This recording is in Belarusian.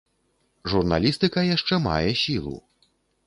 Журналістыка яшчэ мае сілу.